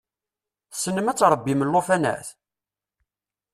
Tessnem ad tṛebbim llufanat?